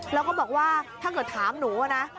แล้วก็บอกว่าถ้าเกิดถามหนูนะ